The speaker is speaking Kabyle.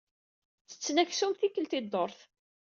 Ttetten aksum tikkelt i dduṛt.